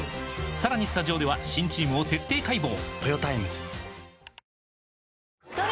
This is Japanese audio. さらにスタジオでは新チームを徹底解剖！